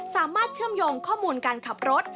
สามารถเชื่อมโยงข้อมูลการขับรถ